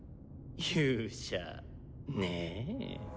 「勇者」ねえ。